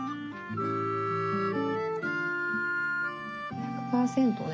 １００％ね